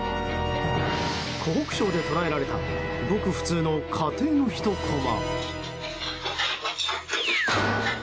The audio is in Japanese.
湖北省で捉えられたごく普通の家庭のひとコマ。